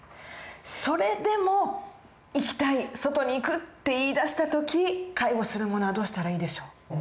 それでも「行きたい外に行く」って言いだした時介護する者はどうしたらいいでしょう？